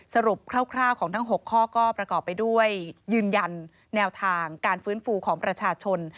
คร่าวของทั้ง๖ข้อก็ประกอบไปด้วยยืนยันแนวทางการฟื้นฟูของประชาชน